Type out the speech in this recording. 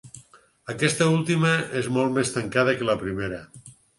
Aquesta última és molt més tancada que la primera.